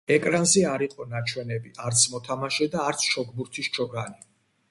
ეკრანზე არ იყო ნაჩვენები არც მოთამაშე და არც ჩოგბურთის ჩოგანი.